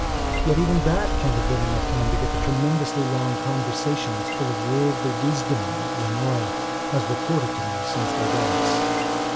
Yet even that can't have been enough time to get the tremendously long conversations full of worldly wisdom that Leonora has reported to me since their deaths.